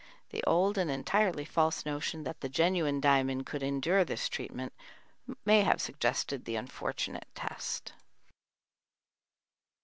The old and entirely false notion that the genuine diamond could endure this treatment may have suggested the unfortunate test.